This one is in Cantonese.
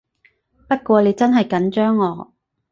不過你真係緊張我